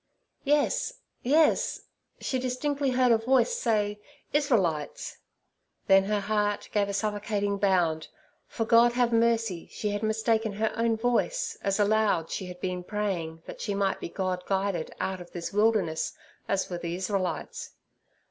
Yes, yes; she distinctly heard a voice say 'Israelites.' Then her heart gave a suffocating bound, for, God have mercy, she had mistaken her own voice, as aloud she had been praying that she might be God guided out of this wilderness, as were the Israelites.